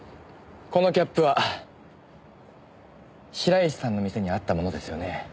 このキャップは白石さんの店にあったものですよね？